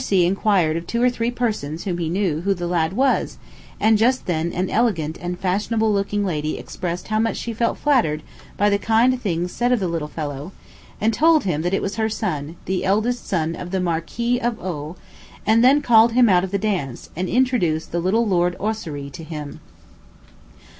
C. inquired of two or three persons whom he knew, who the lad was; and just then an elegant and fashionable looking lady expressed how much she felt flattered by the kind things said of the little fellow, and told him that it was her son, the eldest son of the Marquis of O d, and then called him out of the dance, and introduced the little Lord Ossory to him.